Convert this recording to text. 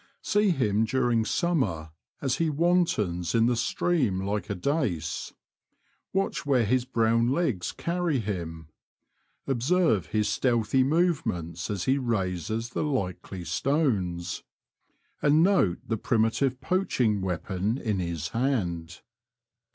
See him during summer as he wantons in the stream like a dace. Watch where his brown legs carry him ; observe his stealthy movements as he raises the likely stones ; and note the primi tive poaching weapon in his hand.